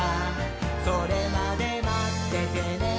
「それまでまっててねー！」